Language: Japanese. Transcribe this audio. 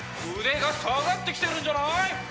腕が下がってきてるんじゃない？